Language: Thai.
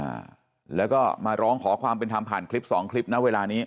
อ่าแล้วก็มาร้องขอความเป็นธรรมผ่านคลิปสองคลิปนะเวลานี้